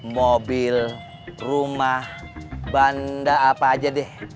mobil rumah banda apa aja deh